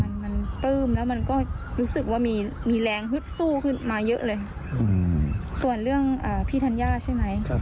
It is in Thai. มันมันปลื้มแล้วมันก็รู้สึกว่ามีมีแรงฮึดสู้ขึ้นมาเยอะเลยส่วนเรื่องพี่ธัญญาใช่ไหม